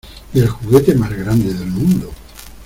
¡ Y el juguete más grande del mundo!